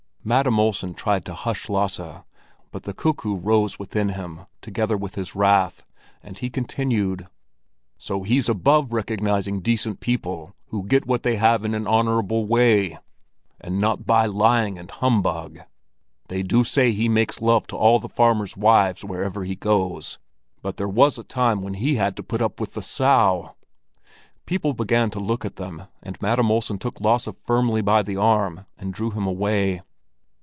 Madam Olsen tried to hush Lasse, but the "cuckoo" rose within him together with his wrath, and he continued: "So he's above recognizing decent people who get what they have in an honorable way, and not by lying and humbug! They do say he makes love to all the farmers' wives wherever he goes; but there was a time when he had to put up with the Sow." People began to look at them, and Madam Olsen took Lasse firmly by the arm and drew him away.